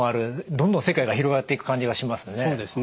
どんどん世界が広がっていく感じがしますね。